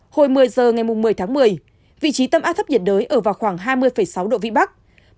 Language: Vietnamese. hồi một mươi giờ ngày một mươi tháng một mươi vị trí tâm áp thấp nhiệt đới ở vào khoảng hai mươi sáu độ vĩ bắc